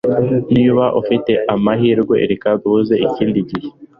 Niba dufite amahirwe, reka duhuze ikindi gihe.